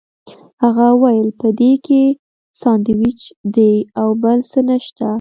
هغه وویل په دې کې ساندوېچ دي او بل څه نشته.